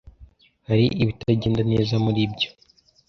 Hari ibitagenda neza muribyo?